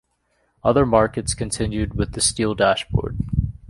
Other markets continued with the steel dashboard.